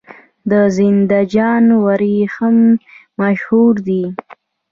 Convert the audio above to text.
د زنده جان وریښم مشهور دي